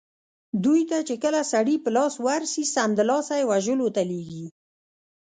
دوی ته چې کله سړي په لاس ورسي سمدلاسه یې وژلو ته لېږي.